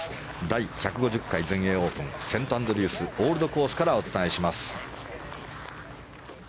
第１５０回全英オープンセントアンドリュースオールドコースからお伝えします。